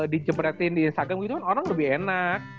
dicepretin di instagram gitu kan orang lebih enak